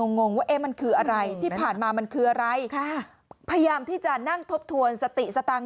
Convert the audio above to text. ก็เลยงงว่ามันคืออะไรพยายามที่จะนั่งทบทวนสติสตรัง